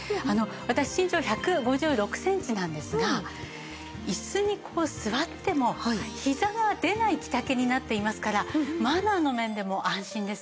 私身長１５６センチなんですが椅子にこう座ってもひざが出ない着丈になっていますからマナーの面でも安心です。